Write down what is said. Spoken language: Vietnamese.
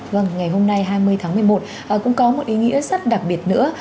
vâng ngày hôm nay hai mươi tháng một mươi một cũng có một ý nghĩa rất đặc biệt nữa